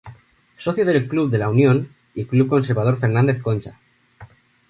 Socio del Club de la Unión, y Club Conservador Fernández Concha.